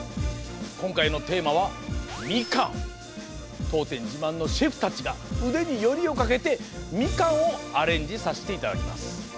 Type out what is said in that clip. こんかいのテーマはみかん。とうてんじまんのシェフたちがうでによりをかけてみかんをアレンジさせていただきます。